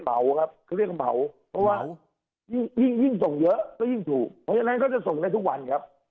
เพราะว่ายิ่งส่งเยอะก็ยิ่งถูกเพราะฉะนั้นก็จะส่งได้ทุกวันครับ